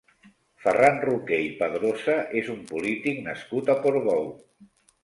Ferran Roquer i Padrosa és un polític nascut a Portbou.